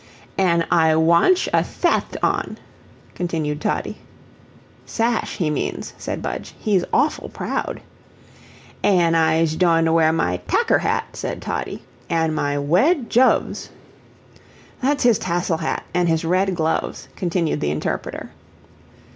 "An' I wantsh a thath on," continued Toddie. "Sash, he means," said Budge. "He's awful proud." "An' Ize doin' to wear my takker hat," said Toddie. "An' my wed djuvs." "That's his tassel hat an' his red gloves," continued the interpreter.